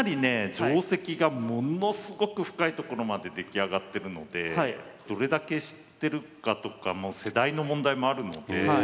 定跡がものすごく深いところまで出来上がってるのでどれだけ知ってるかとか世代の問題もあるので。